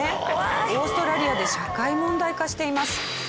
オーストラリアで社会問題化しています。